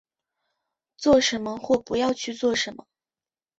做什么或不要去做什么